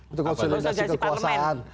itu konsolidasi kekuasaan